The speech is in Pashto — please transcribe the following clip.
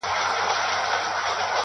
كوم حميد به خط و خال كاغذ ته يوسي٫